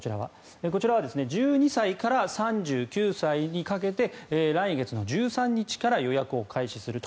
こちらは１２歳から３９歳にかけて来月の１３日から予約を開始すると。